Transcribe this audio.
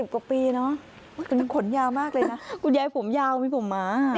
๗๐กว่าปีเนอะขนยาวมากเลยนะขนใหญ่ผมยาวมีผมหมา